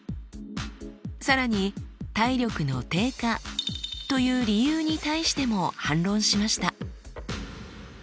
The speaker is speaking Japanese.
更に体力の低下という理由に対しても反論しました。